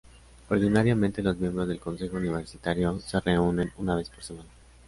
Ordinariamente los miembros del Consejo Universitario se reúnen una vez por semana.